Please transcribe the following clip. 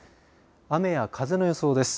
雨や風の予想です。